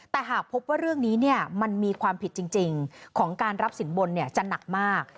แต่หากพบว่าเรื่องนี้มันมีความผิดจริงของการรับสินบนจะหนักมาก